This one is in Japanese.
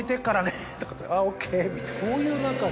そういうなかで。